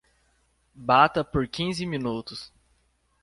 Bata por quinze minutos.